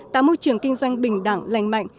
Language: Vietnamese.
tạo môi trường kinh doanh bình đẳng lành mạnh